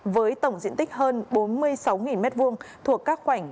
với tổng diện tích hơn bốn mươi sáu m hai thuộc các khoảnh bốn sáu bảy tám